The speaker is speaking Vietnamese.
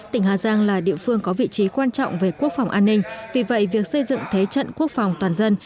tỉnh hà giang là địa phương có vị trí quan trọng về quốc phòng an ninh vì vậy việc xây dựng thế trận quốc phòng toàn dân